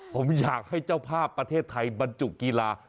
ผมอยากให้เจ้าภาพประเทศไทยบรรจุกีฬา